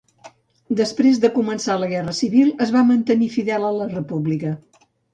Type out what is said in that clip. Després de començar la Guerra civil, es va mantenir fidel a la República.